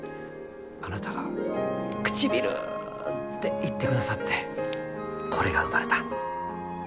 あなたが「くちびる！」って言ってくださってこれが生まれた。